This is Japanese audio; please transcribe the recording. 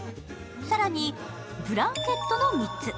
更に、ブランケットの３つ。